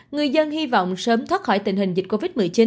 người dân hy vọng sớm thoát khỏi tình hình dịch covid một mươi chín